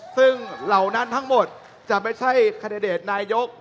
ซึ่งเหล่านั้นทั้งหมดจะไม่ใช่คันดิเดตนายก